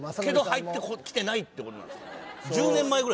けど入ってきてないってことなんですかね